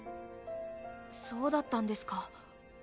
そうだったんですか。